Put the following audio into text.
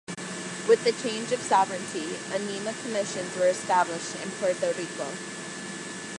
With the change of sovereignty, anemia commissions were established in Puerto Rico.